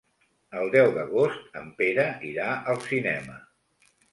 El deu d'agost en Pere irà al cinema.